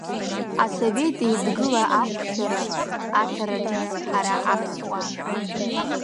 Асовет Еидгыла ахәшьара аҭараҿы ҳара аԥсуаа…